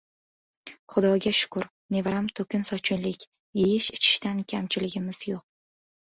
— Xudoga shukur, nevaram, to‘kin-sochinchilik, yeyish-ichishdan kamchiligimiz yo‘q.